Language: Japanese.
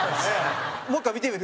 もう１回、見てみる？